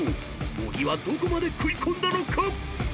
［小木はどこまで食い込んだのか］